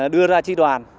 đưa ra tri đoàn